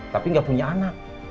tapi gak punya anak